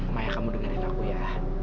maya kamu dengerin aku ya